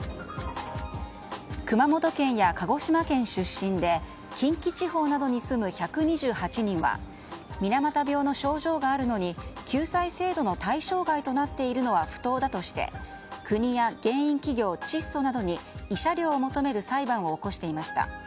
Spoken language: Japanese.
熊本県や鹿児島県出身で近畿地方などに住む１２８人は水俣病の症状があるのに救済制度の対象外となっているのは不当だとして国や原因企業チッソなどに慰謝料を求める裁判を起こしていました。